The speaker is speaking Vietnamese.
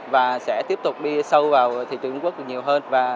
và sẽ tiếp tục đi sâu vào thị trường trung quốc nhiều hơn